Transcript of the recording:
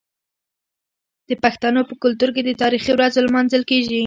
د پښتنو په کلتور کې د تاریخي ورځو لمانځل کیږي.